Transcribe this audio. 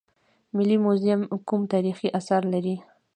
ملي موزیم کوم تاریخي اثار لري؟